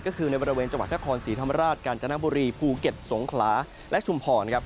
ก็คือในบริเวณจังหวัดนครศรีธรรมราชกาญจนบุรีภูเก็ตสงขลาและชุมพรครับ